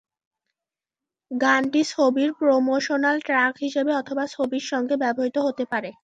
গানটি ছবির promotional track হিসেবে অথবা ছবির মধ্যে ব্যবহৃত হতে পারে।